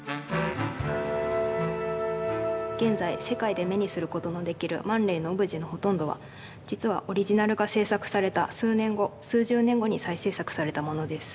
現在世界で目にすることのできるマン・レイのオブジェのほとんどは実はオリジナルが制作された数年後数十年後に再制作されたものです。